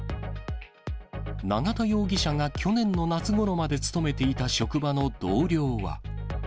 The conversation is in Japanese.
永田容疑者が去年の夏ごろまで勤めていた職場の同僚は。